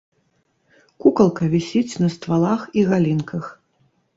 Кукалка вісіць на ствалах і галінках.